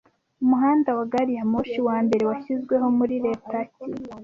Umuhanda wa gari ya moshi wa mbere washyizweho muri leta ki